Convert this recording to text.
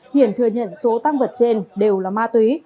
hiển thừa nhận số tăng vật trên đều là ma túy